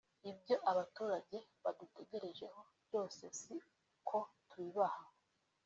Ibyo abaturage badutegerejeho byose si ko tubibaha